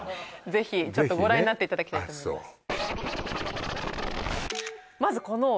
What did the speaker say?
ぜひご覧になっていただきたいと思います